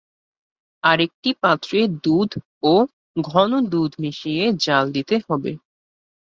আরেকটি পাত্রে দুধ ও ঘন দুধ মিশিয়ে জ্বাল দিতে হবে।